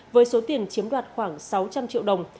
với số tiền chiếm đoạt khoảng sáu trăm linh triệu đồng